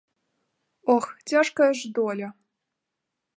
Ох, цяжкая ж доля!